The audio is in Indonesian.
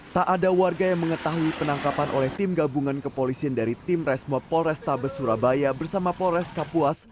tak ada warga yang mengetahui penangkapan oleh tim gabungan kepolisin dari tim resmo polresta besurabaya bersama polresta kapuas